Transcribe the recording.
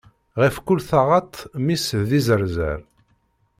Ɣef kul taɣaṭ, mmi-s d izeṛzeṛ.